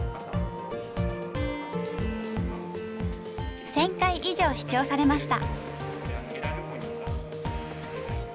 １，０００回以上視聴されました。